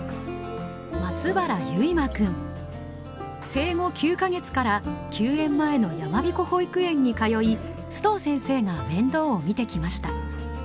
生後９カ月から休園前の山彦保育園に通い須藤先生が面倒を見てきました。